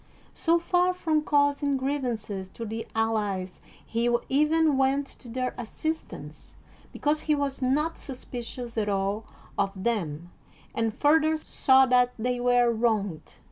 So far from causing griev ances to the allies he even went to their assist ance, because he was not suspicious at all of them and further saw that they were wronged.